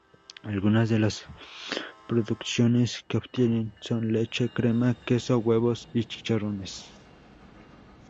Algunas de las producciones que obtienen son: leche, crema, queso, huevos y chicharrones.